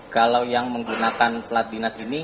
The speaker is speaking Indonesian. kalau yang menggunakan pelat dinas ini